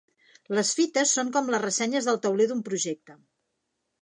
Les fites són com les ressenyes del tauler d'un projecte.